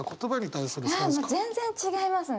いや全然違いますね！